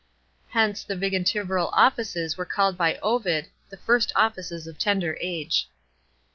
Hence the vigintiviral offices are called by Ovid " the first offices of tender age."